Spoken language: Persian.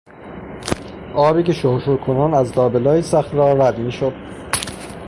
آبی که شر شر کنان از لابهلای صخرهها رد میشد